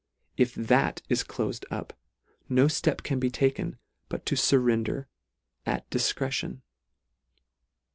If that is clofed up, no ftep can be taken, but to furrender at difcretion.